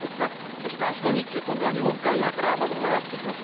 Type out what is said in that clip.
そしてあすの日中、今度は日本海側から雨雲がやって来ます。